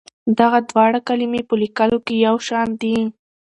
دغه دواړه کلمې په لیکلو کې یو شان دي.